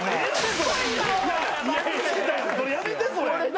それやめてそれ。